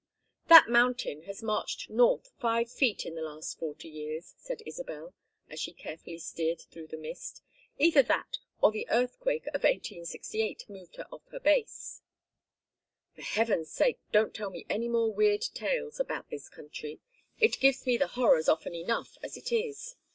"That mountain has marched north five feet in the last forty years," said Isabel, as she carefully steered through the mist. "Either that, or the earthquake of 1868 moved her off her base." "For heaven's sake don't tell me any more weird tales about this country; it gives me the horrors often enough as it is.